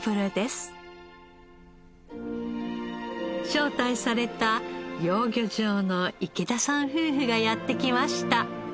招待された養魚場の池田さん夫婦がやってきました。